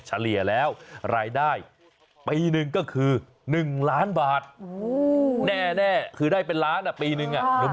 เฉลี่ยแล้วรายได้ปีหนึ่งก็คือ๑ล้านบาทแน่คือได้เป็นล้านปีนึง